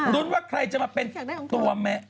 รุ้นว่าใครจะมาเป็นตัวแมะ